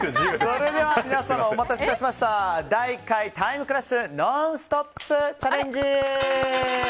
それでは皆様第１回タイムクラッシュノンストップチャレンジ！